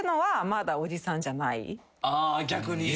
あ逆に。